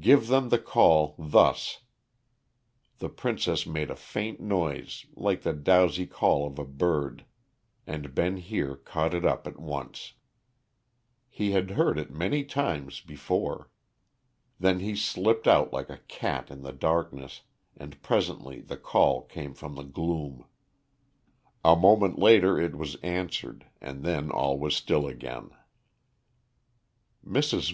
Give them the call, thus." The princess made a faint noise like the drowsy call of a bird and Ben Heer caught it up at once. He had heard it many times before. Then he slipped out like a cat in the darkness, and presently the call came from the gloom. A moment later it was answered and then all was still again. Mrs.